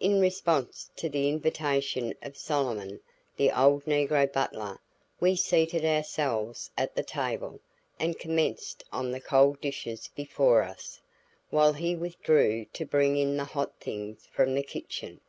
In response to the invitation of Solomon, the old negro butler, we seated ourselves at the table and commenced on the cold dishes before us, while he withdrew to bring in the hot things from the kitchen.